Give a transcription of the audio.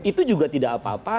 itu juga tidak apa apa